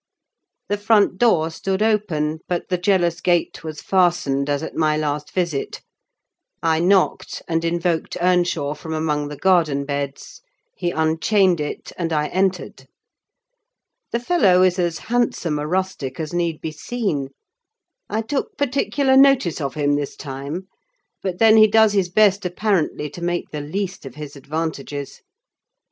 The front door stood open, but the jealous gate was fastened, as at my last visit; I knocked and invoked Earnshaw from among the garden beds; he unchained it, and I entered. The fellow is as handsome a rustic as need be seen. I took particular notice of him this time; but then he does his best apparently to make the least of his advantages.